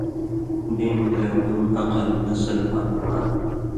دین، ژؤن٘دُن، عقل، نسل آں مال۔